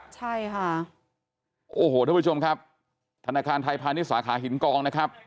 ใช่ค่ะโอ้โหทุกผู้ชมครับธนาคารไทยพาณิชยสาขาหินกองนะครับ